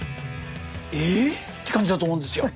え？って感じだと思うんですよ。